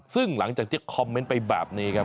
ซึ่งหลังจากที่คอมเมนต์ไปแบบนี้ครับ